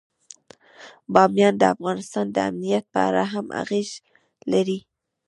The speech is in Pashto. بامیان د افغانستان د امنیت په اړه هم اغېز لري.